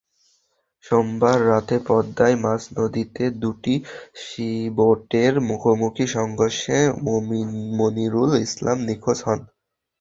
সোমবার রাতে পদ্মায় মাঝনদীতে দুটি সিবোটের মুখোমুখি সংঘর্ষে মনিরুল ইসলাম নিখোঁজ হন।